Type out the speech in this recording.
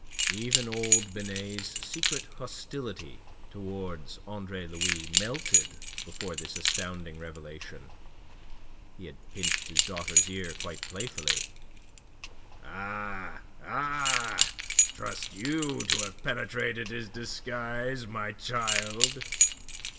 Even old Binet's secret hostility towards Andre Louis melted before this astounding revelation. He had pinched his daughter's ear quite playfully. "Ah, ah, trust you to have penetrated his disguise, my child!"